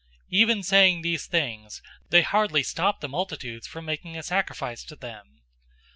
014:018 Even saying these things, they hardly stopped the multitudes from making a sacrifice to them.